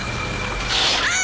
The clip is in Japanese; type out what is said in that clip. ああ！